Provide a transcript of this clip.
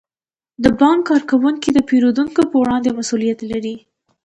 د بانک کارکوونکي د پیرودونکو په وړاندې مسئولیت لري.